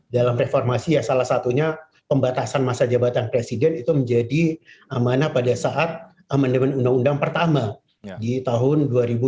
dalam reformasi ya salah satunya pembatasan masa jabatan presiden itu menjadi amanah pada saat amandemen undang undang pertama di tahun dua ribu dua puluh